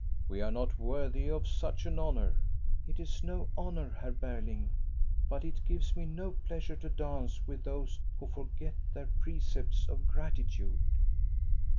" We are not worthy of such an honor." "It is no honor, Herr Berling. 3ut it gives me no pleasure to dance with those who forget the precepts of gratitude."